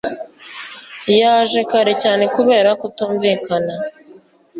yaje kare cyane kubera kutumvikana.